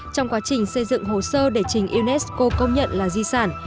trong quá trình xây dựng hồ sơ để trình unesco công nhận là di sản